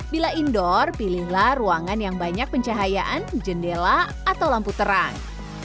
bila indoor pilihlah ruangan yang banyak pencahayaan jendela atau lampu terang